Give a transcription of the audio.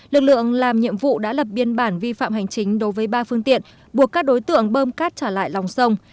lực lượng làm nhiệm vụ đã lập biên bản vi phạm hành chính đối với ba phương tiện buộc các đối tượng bơm cát trả lại lòng sông